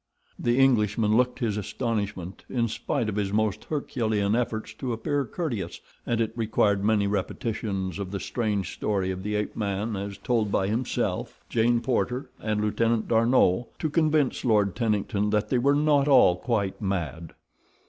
The Englishman looked his astonishment in spite of his most herculean efforts to appear courteous, and it required many repetitions of the strange story of the ape man as told by himself, Jane Porter, and Lieutenant D'Arnot to convince Lord Tennington that they were not all quite mad.